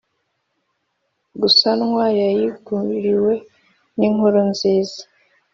Gusanwa yayiguriwe n inkuru nziza